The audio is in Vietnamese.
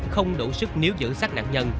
không đủ sức níu giữ sát nạn nhân